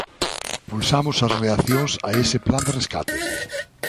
Pulsamos as reaccións a ese plan de rescate.